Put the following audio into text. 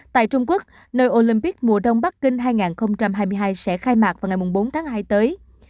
tại trung quốc nơi olympic mùa đông bắc kinh hai nghìn hai mươi hai sẽ khai mạc vào ngày bốn tháng hai tới